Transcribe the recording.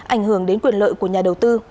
ảnh hưởng đến quyền lợi của nhà đầu tư